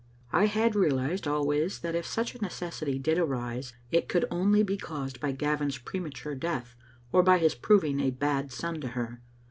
I had realised always that if such a necessity did arise it could only be caused by Gavin's premature death, or by his proving a bad son to her.